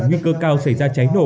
nguy cơ cao xảy ra cháy nổ